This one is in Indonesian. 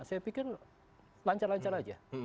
saya pikir lancar lancar aja